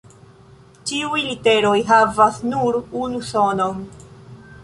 Ĉiuj literoj havas nur unu sonon.